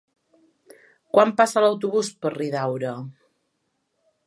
Quan passa l'autobús per Riudaura?